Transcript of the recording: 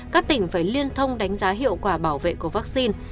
các tỉnh phải liên thông đánh giá hiệu quả bảo vệ của vaccine